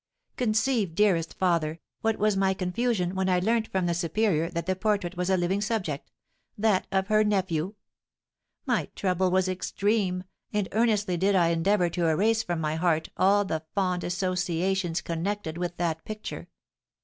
"Conceive, dearest father, what was my confusion when I learnt from the superior that the portrait was a living subject, that of her nephew! My trouble was extreme, and earnestly did I endeavour to erase from my heart all the fond associations connected with that picture.